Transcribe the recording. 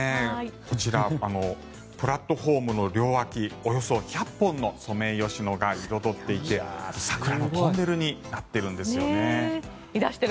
こちらプラットホームの両脇およそ１００本のソメイヨシノが彩っていて、桜のトンネルになっているんですよね。